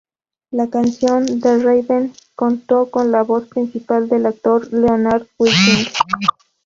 La canción "The Raven" contó con la voz principal del actor Leonard Whiting.